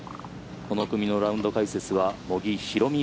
この組のラウンド解説は茂木宏美